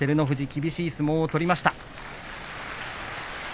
厳しい相撲を取りました。